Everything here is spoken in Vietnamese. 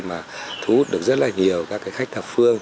mà thu hút được rất nhiều các khách thập phương